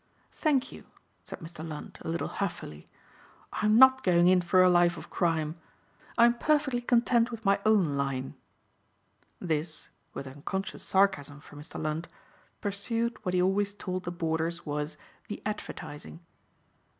"Thank you," said Mr. Lund a little huffily, "I am not going in for a life of crime. I am perfectly content with my own line." This, with unconscious sarcasm for Mr. Lund, pursued what he always told the borders was "the advertising."